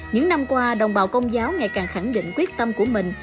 những năm qua đồng bào công giáo ngày càng khẳng định quyết tâm của mình